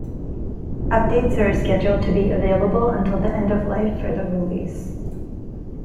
Updates are scheduled to be available until the end of life for the release.